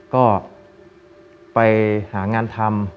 ก็ไปหางานทำ